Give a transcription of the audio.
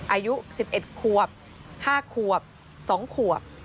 อายุ๑๑ควบ๕ขวบ๒ขวบ